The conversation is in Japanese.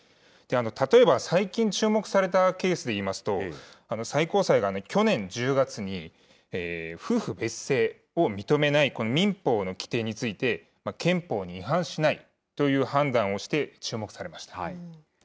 例えば最近注目されたケースでいいますと、最高裁が去年１０月に、夫婦別姓を認めない民法の規定について、憲法に違反しないという判断をして、注目されました。